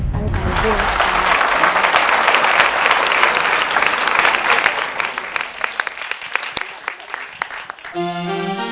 เกือบงวปมัน